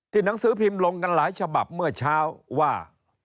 หนังสือพิมพ์ลงกันหลายฉบับเมื่อเช้าว่า